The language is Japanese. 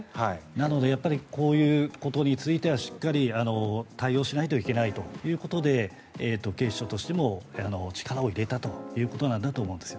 なのでこういうことについてはしっかり対応しないといけないということで警視庁としても力を入れたということなんだと思います。